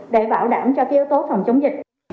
để bảo đảm cho yếu tố phòng chống dịch